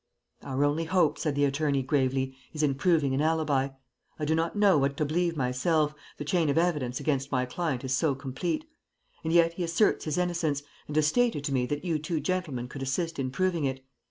"Our only hope," said the attorney, gravely, "is in proving an alibi. I do not know what to believe myself, the chain of evidence against my client is so complete; and yet he asserts his innocence, and has stated to me that you two gentlemen could assist in proving it.